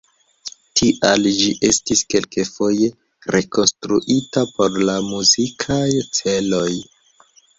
Tial ĝi estis kelkfoje rekonstruita por la muzikaj celoj.